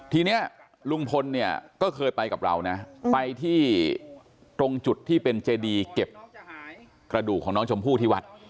ทีนี้ลุงพลเนี่ยก็เคยไปกับเรานะไปที่ตรงจุดที่เป็นเจดีเก็บกระดูกของน้องชมพู่ที่วัด